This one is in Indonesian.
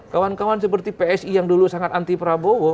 kawan kawan seperti psi yang dulu sangat anti prabowo